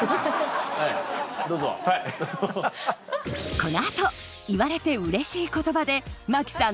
この後言われて嬉しい言葉で真木さん